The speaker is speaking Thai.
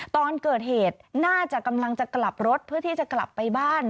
ตอนเกิดเหตุน่าจะกำลังจะกลับรถเพื่อที่จะกลับไปบ้าน